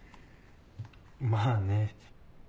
まあね。